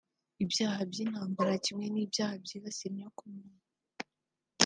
ibyaha by’intambara kimwe n’ibyaha byibasira inyokomuntu